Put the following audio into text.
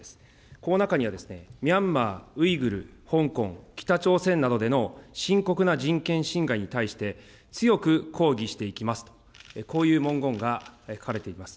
この中には、ミャンマー、ウイグル、香港、北朝鮮などでの深刻な人権侵害に対して、強く抗議していきます、こういう文言が書かれています。